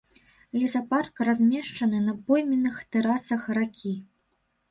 Лесапарк размешчаны на пойменных тэрасах ракі.